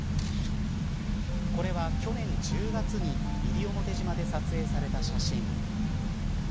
これは、去年１０月に西表島で撮影された写真。